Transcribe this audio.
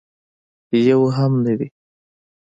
یو هم نه وي.